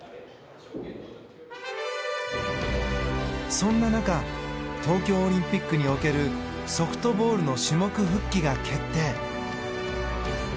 そんな中東京オリンピックにおけるソフトボールの種目復帰が決定。